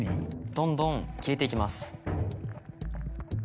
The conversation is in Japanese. どんどん消えていきます。